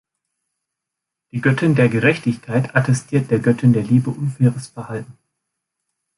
Die Göttin der Gerechtigkeit attestiert der Göttin der Liebe unfaires Verhalten.